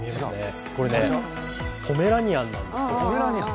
これね、ポメラニアンなんですよ